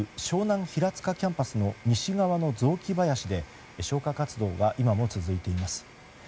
湘南ひらつかキャンパスの西側の雑木林で消火活動は今も続いています。